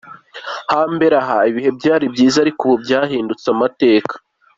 Ha mbere aha, ibihe byari byiza ariko ubu byahindutse amateka.